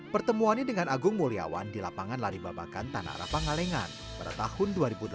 pertemuannya dengan agung mulyawan di lapangan lari babakan tanah arah pangalengan pada tahun dua ribu delapan belas